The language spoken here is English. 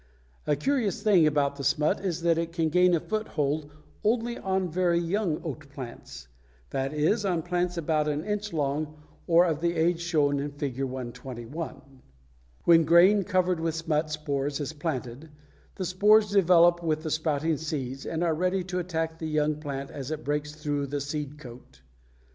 A curious thing about the smut is that it can gain a foothold only on very young oat plants; that is, on plants about an inch long or of the age shown in Fig. 121. When grain covered with smut spores is planted, the spores develop with the sprouting seeds and are ready to attack the young plant as it breaks through the seed coat.